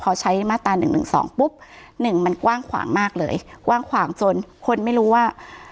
พอใช้มาตรา๑๑๒ปุ๊บหนึ่งมันกว้างขวางมากเลยกว้างขวางจนคนไม่รู้ว่า